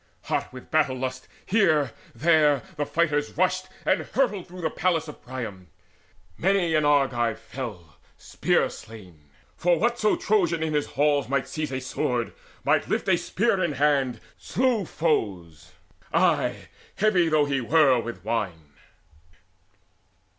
Hot with battle lust Here, there, the fighters rushed and hurried through The palace of Priam. Many an Argive fell Spear slain; for whatso Trojan in his halls Might seize a sword, might lift a spear in hand, Slew foes ay, heavy though he were with wine.